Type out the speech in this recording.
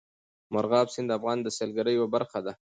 مورغاب سیند د افغانستان د سیلګرۍ یوه برخه ده.